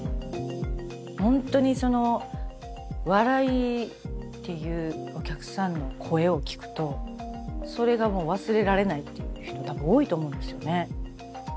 本当にその笑いっていうお客さんの声を聞くとそれがもう忘れられないっていう人多分多いと思うんですよね。